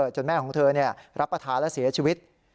แม่ของเธอรับประทานและเสียชีวิต